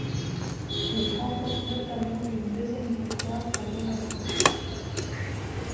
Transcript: Il remporte notamment une deuxième victoire à Monaco.